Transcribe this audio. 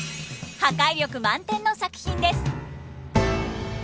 破壊力満点の作品です。